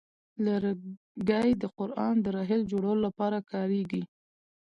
لرګی د قران د رحل جوړولو لپاره کاریږي.